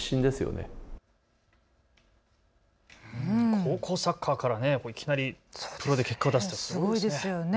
高校サッカーからいきなりプロで結果を出す、すごいですね。